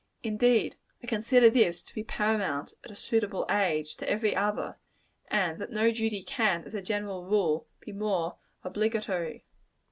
Indeed, I consider this to be paramount, at a suitable age, to every other; and that no duty can, as a general rule, be more obligatory.